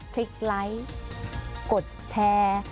พลิกไลค์กดแชร์